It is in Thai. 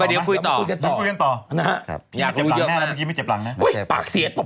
ไปกล้วยกันต่อ